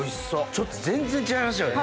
ちょっと全然違いますよね。